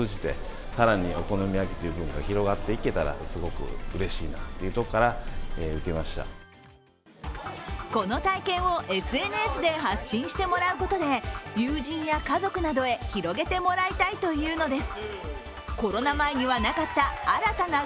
果たして、その狙いはこの体験をＳＮＳで発信してもらうことで友人や家族などへ広げてもらいたいというのです。